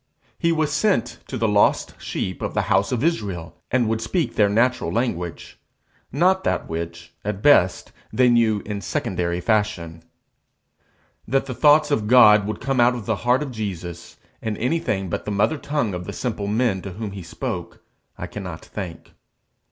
He was sent to the lost sheep of the house of Israel, and would speak their natural language, not that which, at best, they knew in secondary fashion. That the thoughts of God would come out of the heart of Jesus in anything but the mother tongue of the simple men to whom he spoke, I cannot think.